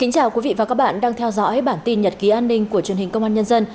chào mừng quý vị đến với bản tin nhật ký an ninh của truyền hình công an nhân dân